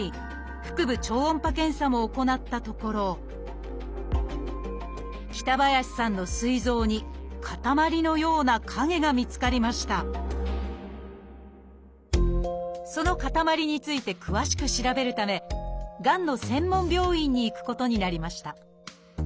腹部超音波検査も行ったところ北林さんのその塊について詳しく調べるためがんの専門病院に行くことになりました